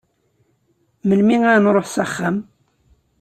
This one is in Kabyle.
Melmi ad nruḥ s axxam?